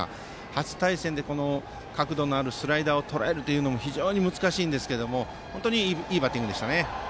初対戦で、この角度のあるスライダーをとらえるのは非常に難しいんですが本当にいいバッティングでしたね。